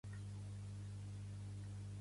La major part de l'esquerra espanyola ho té clar